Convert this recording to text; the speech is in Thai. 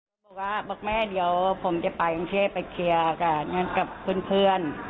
บอกว่าบอกแม่เดี๋ยวผมจะไปกับเชฟไปเคลียร์ค่ะงั้นกับคุณเพื่อน